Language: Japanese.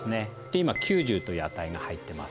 今９０という値が入ってます。